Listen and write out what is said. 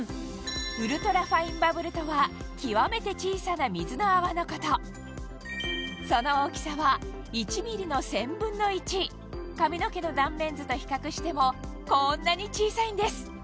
ウルトラファインバブルとは極めて小さな水の泡のことその大きさは髪の毛の断面図と比較してもこんなに小さいんです